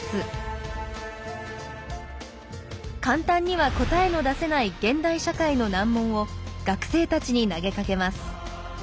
簡単には答えの出せない現代社会の難問を学生たちに投げかけます。